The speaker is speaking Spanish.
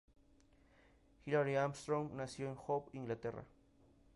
Hilary Armstrong nació en Hove, Inglaterra.